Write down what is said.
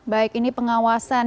baik ini pengawasan